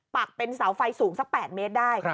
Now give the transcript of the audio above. ักเป็นเสาไฟสูงสัก๘เมตรได้